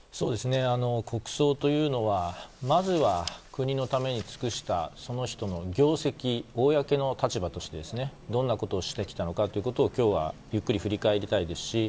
国葬というのはまずは国のために尽くしたその人の業績を公の立場としてどんなことをしてきたのかを今日はゆっくり振り返りたいですし